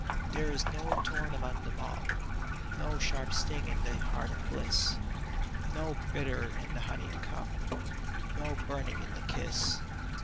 There is no thorn among them all — No sharp sting in the heart of bliss — No bitter in the honeyed cup — No burning in the kiss.